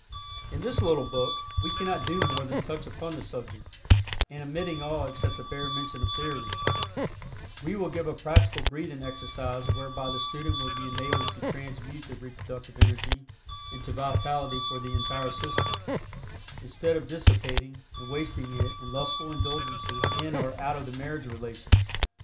In this little book we cannot do more than touch upon the subject, and omitting all except a bare mention of theory, we will give a practical breathing exercise whereby the student will be enabled to transmute the reproductive energy into vitality for the entire system, instead of dissipating and wasting it in lustful indulgences in or out of the marriage relations.